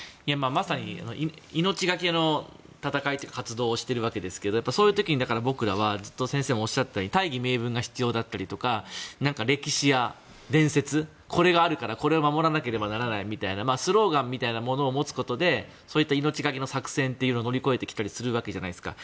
まさに命懸けの戦いというか活動をしてるわけですがそういう時に僕らは先生もおっしゃっていたように大義名分が必要だったりとか歴史や伝説これがあるからこれを守らなければならないみたいなスローガンみたいなものを持つことでそういった命懸けの作戦というのを乗り越えてきたりするわけじゃないですか。